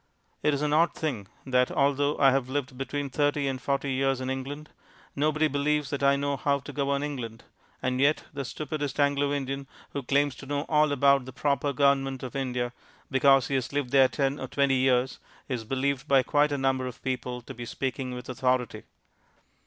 It is an odd thing that, although I have lived between thirty and forty years in England, nobody believes that I know how to govern England, and yet the stupidest Anglo Indian, who claims to know all about the proper government of India because he has lived there ten or twenty years, is believed by quite a number of people to be speaking with authority.